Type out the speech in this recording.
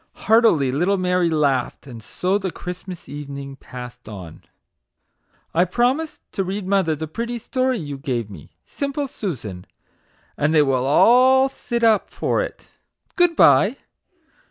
Heartily the little Mary laughed; and so the Christmas evening passed on. " I must go now," she said ;" I promised to read mother the pretty story you gave me, " Simple Susan," and they will all sit up for it ! Good bye